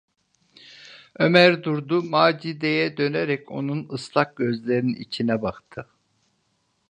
Ömer durdu, Macide’ye dönerek onun ıslak gözlerinin içine baktı.